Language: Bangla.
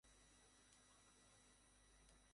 পাঁচ মিনিট অপেক্ষা কর।